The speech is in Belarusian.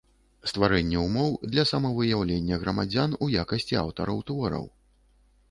Стварэнне ўмоў для самавыяўлення грамадзян у якасцi аўтараў твораў.